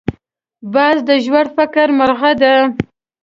باز د ژور فکر مرغه دی